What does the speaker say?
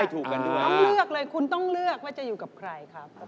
ต้องเลือกเลยคุณต้องเลือกว่าจะอยู่กับใครครับ